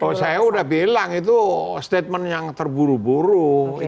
oh saya udah bilang itu statement yang terburu buru